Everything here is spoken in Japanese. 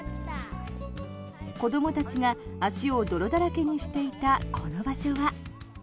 子どもたちが足を泥だらけにしていたこの場所は。